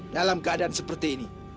dalam keadaan seperti ini